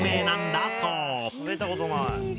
食べたことない。